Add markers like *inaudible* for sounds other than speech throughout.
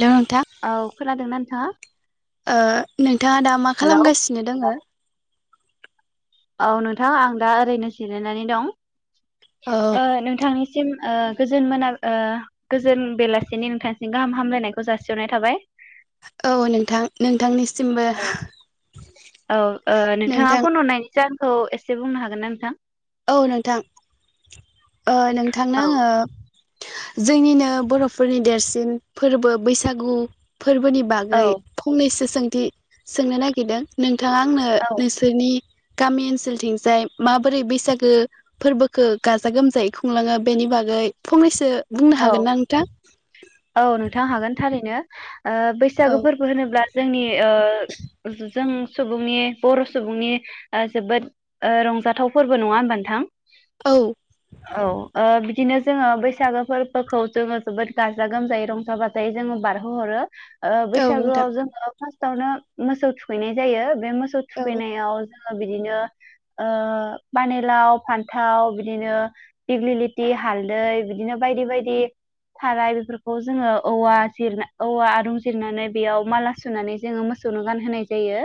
हेल' नोंथां औ खोनादोंना नोंथाङा? ओ नोंथाङा दा मा हेलौ खालामगासिनो दोङो? औ नोंथां आं दा ओरैनो जिरायनानै दं। औ ओ नोंथांनिसिम ओ गोजोन मोना ओ गोजोन बेलासिनि नोंथांसिम गाहाम हामलायनायखौ जासिहरनाय थाबाय। औ नोंथां नोंथांनिसिमबो औ नोंथां। औ एसे बुंनो हागोन ना नोंथां? औ नोंथां ओ नोंथांनो औ आङो जोंनिनो बर'फोरनि देरसिन फोरबो बैसागु। फोरबोनि औ बागै फंनैसो सों सोंनो नागिरदों नों बिथाङा आंनो औ नोंसोरनि गामि ओनसोलथिंजाय माबोरै बैसागु फोरबोखौ गाजा गोमजायै खुंलाङो बेनि बागै फंनैसो बुंनो औ हागोनना नोंथां? औ नोंथां हागोन थारैनो ओ औ बैसागु फोरबो होनोब्ला जोंनि। ओ जों सुबुंनि बर' सुबुंनि जोबोद ओ रंजाथाव फोरबो नङा होनोमब नोंथां? औ औ ओ‌ बिदिनो जोंङो बैसागो फोरबोखौ जोङो जोबोद गाज्रि गाजा गोमजायै रंजा बाजायै जोङो बारगहरो। ओ औ नोंथां बैसागोआव जोंङो फा फासट आवनो नो मोसौ थुखैनाय जायो। बे मोसौ औ थुखैनायाव जोंङो बिदिनो ओ पानिलाव फान्थाव बिदिनो दिग्लिलिथि हालदै बिदिनो बायदि -बायदि थाराय बेफोरखौ जोङो औवा जिर औवा आरुं जिरनानै बेयाव माला सुनानै जोङो मोसौनो गानहोनाय जायो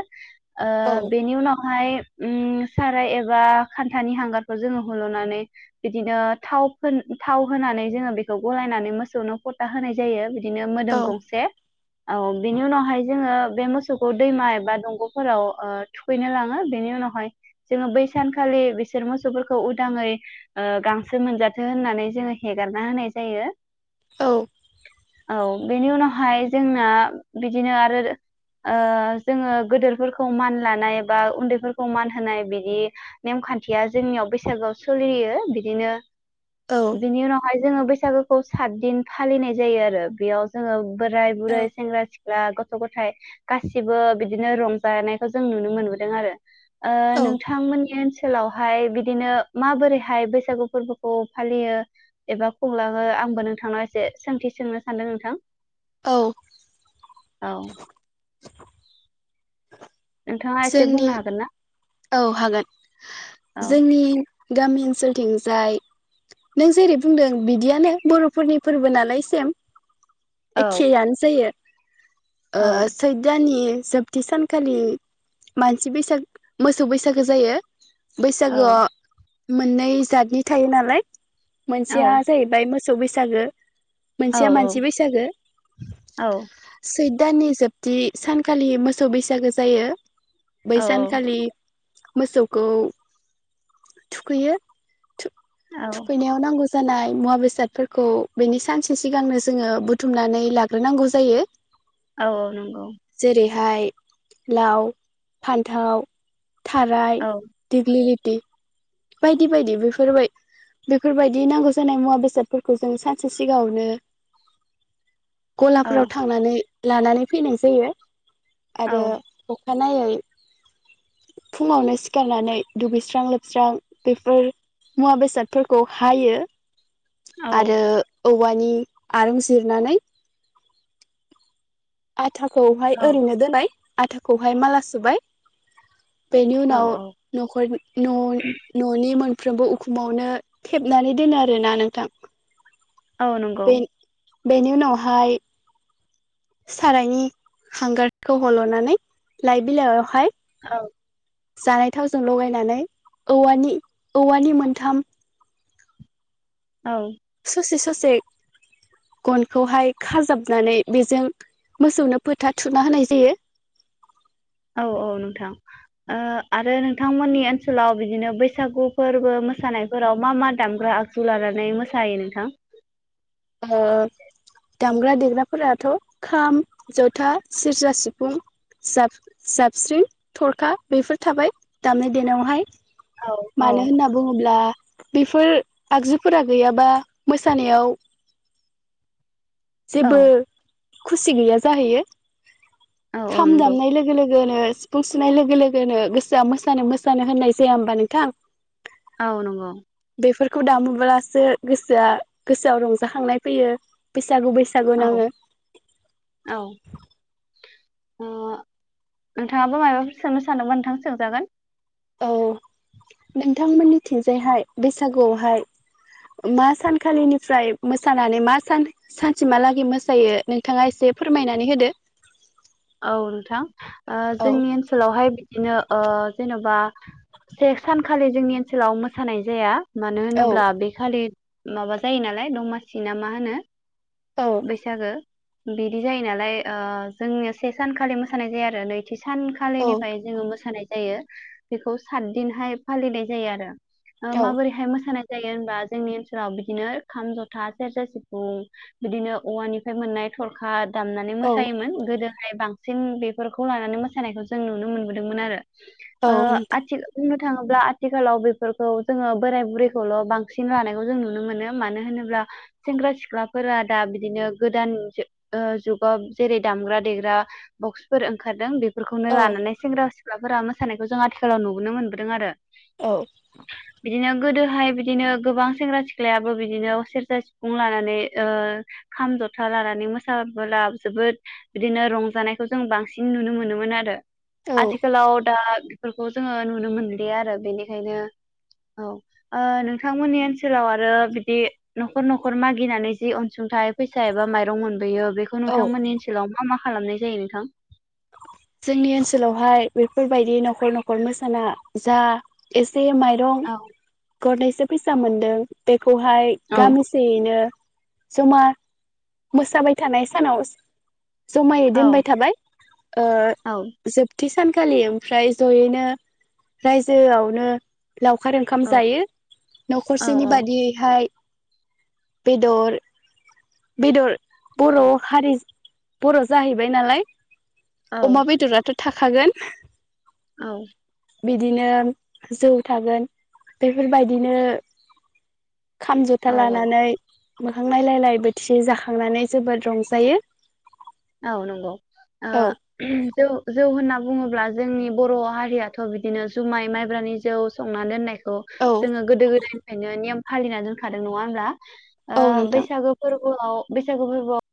औ ओ बेनि उनाव हाय उम साराय एबा खान्थानि हांगारखौ जोङो हल'नानै बिदिनो थाव फोन थाव होनानै जोङो बेखौ गलायनानै मोसौनो हो होनाय जायो बि बिदिनो औ मोदोम गंसे औ बिनि उनावहाय जोङो बे मोसौखौ दैमा एबा दंग'फोराव ओ थुखैनो लाङो बेनि उनावहाय जोङो बै सानखालि बिसोर मोसौफोरखौ उदाङै ओ गांसो मोनजाथों होननानै जोङो हेगारना होनाय जायो औ औ बेनि उनावहाय जोंना बिदिनो आरो जोङो गोदोरफोरखौ मान लानाय बा उन्दैफोरखौ मान होनाय बिदि नेमखान्थिया जोंनियाव बैसागोआव सोलियो बिदिनो औ बिनि उनावहाय जोङो बैसागो सात दिन फालिनाय जायो आरो बेयाव जोङो बोराय, बुरै, औ सेंग्रा, सिख्ला, गथ गथ' गथाइ गासिबो बिदिनो रंजानायखौ जों नुनो मोनबोदों आरो ओ औ नोंथांमोननि ओनसोलाव हाय बिदिनो माबोरैहाय बैसागु फोरबोखौ फालियो एबा खुंलाङो आंबो नोंथांनाव एसे सोंथि सोंनो सानदों नोंथां औ औ नोंथाङा एसे जोंनि बुंनो हागोन ना औ हागोन औ जोंनि गामि ओनसोलथिंजाय नों जेरै बुंदों बिदियानो बर'फोरनि फोरबो नालाय सेम औ एखेयानोजायो औ ओ सैत दानि जोबथि सानखालि मानसि बैसाग मोसौ बैसागो जायो बैसागो मोननै जातनि थायो नालाय औ मोनसेया जाहैबाय मोसौ मोसौ बैसागो औ मोनसेया मानसि बैसागो औ सैत दाननि जोबथि सानखालि मोसौ बैसागो जायो बै औ सानखालि मोसौखौ थुखैयो औ थु-थुखैनायाव नांगौ जा जानाय मुवा बेसादफोरखौ बेनि सानसे सिगांनो जोङो बुथुमनानै लाग्रोनांगौ जायो औ औ नंगौ इमफ्राय लाव फान्थाव थाराय औ देगलि इ बायदि बायदि बेफोरबाय बेफोरबायदि नांगौ जानाय मुवा बेसादफोरखौ जों सानसे सिगाङावनो औ गलाफोराव थांनानै लानानै फैनाय जायो औ आरो अ अखानायै फुङावनो सिखारनानै दुगैस्रां लोबस्रां बेफोर मुवा बेसादफोरखौ हायो आरो औवानि आरूं सजरनानै फथाखौहाय औ ओरैनो दोननाय आथाखौहाय माला सोबाय बेनि औ उनाव न'खर न'नि न'नि मोनफ्रोमबो उखुमावनो थेबनानै दोनो आरो ना नोंथां औ नंगौ बे बेनि उनावहाय सारायनि हांगारखौ हल'नानै लाइ बिलाइयावहाय औ जानाय थावजों लगायनानै औवानि औवानि मोनथाम औ ससे ससे गनखौहाय खाजाबनानै बेजों मोसौनो फोथा थुना होनाय जायो औ औ नोंथां आरो नोंथांमोननि ओनसोलाव बिदिनो बैसागु फोरबो मोसानायफोराव मा मा दामग्रा आगजु लानानै मोसायो नोंथां हो दामग्रा देग्राफोराथ' खाम जथा सेरजा सिफुं जाब जाबस्रि थरखा बेफोर थाबाय दामनाय देनायावहाय औ औ मानो होनना बुङोब्ला बेफोर आगजुफोरा गैयाबा मोसानायाव औ जेबो खुसि गैया जाहैयो औ औ खाम नंगौ दामनाय लोगो लोगोनो सिफुं सुनाय लोगो लोगोनो गोसोआ मोसानो मोसानो होननाय जाया होमबा नोंथां औ नंगौ बेफोरखौ दामोब्लासो गोसोआ गोसोआव रंजाखांनाय फैयो बैसागु बैसागु औ नाङो औ ओ नोंथाङाबो माबाफोर सोंनो सानदोंबा नोंथांआ सोंजागोन औ नोंथांमोननिथिंजायहाय बैसागुआवहाय मा सानखालिनिफ्राय मोसानानै मा सान सानसेमहालागै मोसायो नोंथाङा एसे फोरमायनानै होदो औ नोंथां औ जोंनि ओनसोलावहाय बिदिनो ओ जेन'बा से सानखालि जोंनि ओनसोलाव मोसानाय जाया मानो औ होनोब्ला बे खालि माबा जायो नालाय दमासिना मा होनो? औ बैसागो बिदि जायो नालाय ओ जोंनि से सानखालि मोसानाय जाया आरो नैथि औ सानखालिनिफाय जोङो मोसानाय जायो बेखौ सात दिनहाय फालिनाय जायो आरो। ओ औ माबोरैहाय मोसानाय जायो होनबा जोंनि ओनसोलाव बिदिनो खाम जथा सेरजा सिफुं बिदिनो औवानिफ्राय मोननाय थरखा दामनानै औ मोसायोमोन गोदो। हाय बांसिन बेफोरखौ लानानै मोसानायखौ जों नुनो मोनबोदोंमोन आरो। औ ओ नोंथां आथिल बुंनो थाङोब्ला आथिखालाव बेफोरखौ जोङो बोराय बुरैखौल' बांसिन लानायखौ जों नुनो मोनो मानो होनोब्ला सेंग्रा सिख्लाफोरा दा बिदिनो गोदान जो ओ जुगाव जेरै दामग्रा देग्रा बक्सफोर ओंखारदों बे खौनो औ लानानै सेंग्रा सिख सिख्लाफोरा मोसानायखौ जों आथिखालाव नुबोनो मोनबोदों आरो। औ बिदिनो गोदोहाय बिदिनो गोबां सेंग्रा सिख्लायाबो बिदिनो सेरजा सिफुं लानानै ओ खाम जथा लानानै मोसाबोला जोबोद बिदिनो रंजानायखौ जों बांसिन नुनो मोनोमोन आरो औ आथिखालाव दा बेफोरखौ जोङो नुनो मोनलिया आरो बेनिखायनो औ ओ नोंथांमोननि ओनसोलाव आरो बिदि न'खर न'खर मागिनानै जि अन सुंथाय फैसा एबा माइरं मोनबोयो बेखौ औ नोंथांमोननि ओनसोलाव मा मा खालामनाय जायो नोंथां? जोंनि ओनसोलावहाय बेफोरबायदि न'खर न'खर मोसाना जा एस से माइरं औ गरनैसो फैसा मोनदों बे खौहाय औ गामिसेयैनो जमा मोसाबाय थानाय सानाव जमायै औ दोनबाय थाबाय ओ औ जोबथि सानखालि ओमफ्राय जयैनो रायजोआवनो लावखार ओंखाम जायो औ न'खरसेनि बादियैहाय बेदर बेदर बर' हारि बर' जाहैबाय नालाय औ अमा बेदराथ' थाखागोन औ बिदिनो जौ थागोन बेफोरबायदिनो खाम, जथा औ लानानै मोखां नायलायलाइ बो थिसे जाखांनानै जोबोद रंजायो। औ नंगौ ओ औ जौ जौ होनना बुङोब्ला जोंनि बर' हारियाथ' बिदिनो जुमाय माइब्रानि जौ संनानै दोननाय खौ औ जोङो गोदो गोदायनिफ्रायनो नेम फालिना दोनखादों नङा होनब्ला? आ औ नोंथां बैसागु फोर बोआव बैसागु फोरबोआव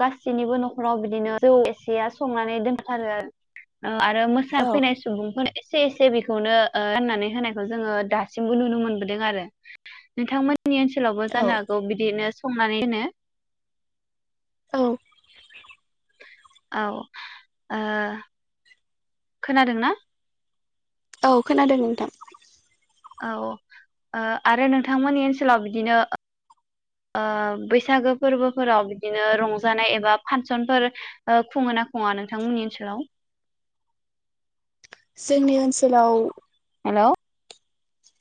गासैनिबो न'खराव बिदिनो जौ एसेया संनानै दोनथारो। औ आरो औ मोसाफैनाय सुबुंफोर एसे एसे बेखौनो ओ राननानै होनायखौ जोङो दासिमबो नुनो मोनबोदों आरो नोंथांमोन नि ओनसोलावबो औ जानो हागौ बिदिनो संनानै दोनो? औ औ ओ खोनादों ना? औ खोनादों नोंथां औ ओ आरो नोंथांमोननि ओनसोलाव बिदिनो ओ बैसागो फोरबोफोराव बिदिनो रंजानाय एबा फांसनफोर ओ खुङो ना खुङा नोंथांमोननि ओनसोलाव? जोंनि ओनसोलाव हेलौ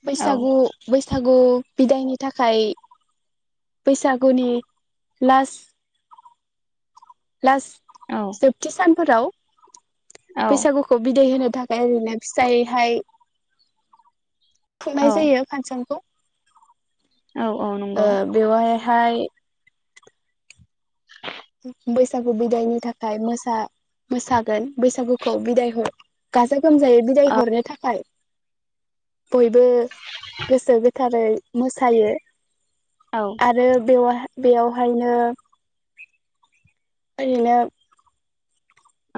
बैसागु बै सागु बिदायनि थाखाय बैसागुनि लास्ट औ जोबथि सान फोराव औ बैसागुखौ बिदाय होनो थाखाय ओरैनो फिसायैहाय खुंनाय जायो फांसनखौ। औ औ नंगौ हाय बैसागु बिदायनि थाखाय मोसा मोसागोन बैसागुखौ बिदाय हर गाजा गोमजायै बिदाय औ हरनो थाखाय बयबो गोसो गोथारै मोसायो। औ आरो बेव बेवहायनो ओरैनो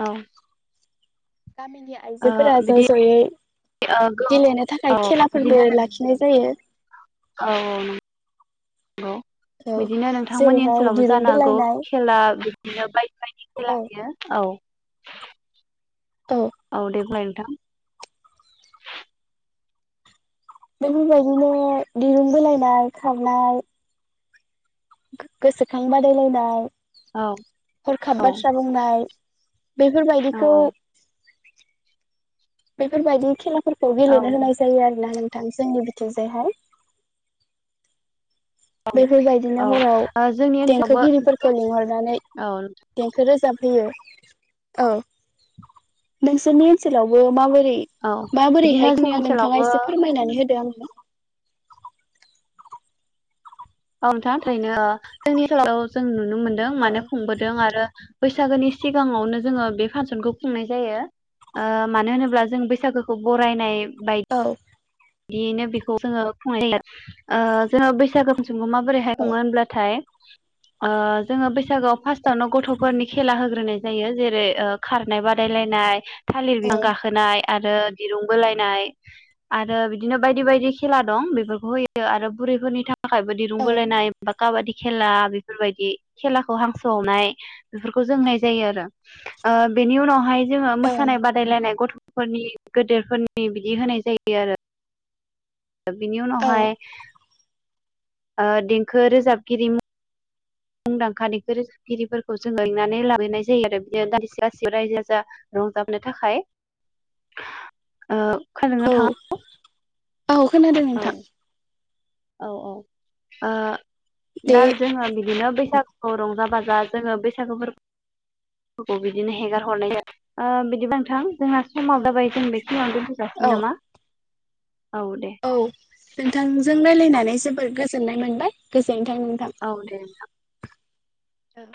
औ गामिनि ओ आइजोफोरा ज' बिदि ज'यै ओ गो गेलेनो औ थाखाय खेलाफोरबो बिदिनो लाखिनाय जायो। औ औ नंगौ औ बिदिनो नोंथांमोननि जेरैहाय ओनसोलावबो दिरुं जानो हागौ बोलायनाय खेला बिदिनो बाय बायदि औ खेला होयो औ औ दे बुंलाय नोंथां? बेफोरबायदिनो दिरुं बोलायनाय, खारनाय, गोसोखां बादायलायनाय, औ हरखाब औ बाथ्रा बुंनाय, औ बेफोरबायदिखौ बेफोर बायदि खेला फोरखौ औ गेलेनो होनाय जायो आरोना नों थां जोंनि बिथिं जायहाय बेफोरबायदिनो औ हराव ओ जोंनि ओनसोलावबो देंखोगिरिफोरखौ लिंहरनानै औ देंखो रोजाब होयो औ नोंसोरनि ओनसोलावबो माव रै औ बिदिनो माबोरैहाय जोंनि खुङो नोंथाङा ओनसोलावबो एसे फोरमायनानै होदो? *inaudible* औ नोंथां थारैनो ओ जोंनि ओनसोलाव जों नुनो मोनदों औ माने खुंबोदों आरो बैसागोनि सिगाङावनो जोङो बे फांसनखौ खुंनाय जायो ओ मानो होनोब्ला जों बैसागोखौ बरायनाय बाय औ बिदियैनो बेखौ जोङो खुंनाय जायो ओ जोङो बैसागो जोंङो माबोरैहाय औ खुङो होनब्लाथाय ओ जोङो बैसागोआव फास्टआवनो गथ'फोरनि खेला होग्रोनाय जायो जेरै ओ खारनाय बादायलायनाय थालिर बिफां गाखोनाय। आरो दिरुं बोलायनाय आरो आरो बिदिनो बायदि बायदि खेला दं बेफोरखौ होयो आरो बुरैफोरनि थाखाय थाखायबो दिरुं औ बोलायनाय बा काबादि खेला बेफोरबायदि खेलाखौ हांसो हमनाय बेफोरखौ जों होनाय जायो आरो ओ बेनि उनावहाय जोङो औ मोसानाय बादायलायनाय गथ' फोरनि गोदेरफोरनि बिदि होनाय जायो। आरो। बिनि औ उनावहाय ओ देंखो रोजाबगिरि मुंदांखा रोजाबग्रा देंखोगिरिफोरखौ जों लिंनानै लाबोनाय जायो आरो बिदिनो दान्दिसे रायजो राजा रंजाबनो थाखाय ओ खोनादों ना औ नोंथाङा औ खोनादों नोंथां। औ औ ओ दा दे जोङो बिदिनो बैसागुखौ रंजा बाजा अब्ला जोङो बैसागुफोरखौ बिदिनो हेगार हरनाय ओ बिदिबा नोंथां जोंहा समाव दाबाय औ जों बेखिनियावनो दोनथजासिगोन नामा? औ नोंथांजों रायज्लायनानै जोबोर गोजोननाय मोनबाय गोजोन्थों नोंथां। औ दे। औ।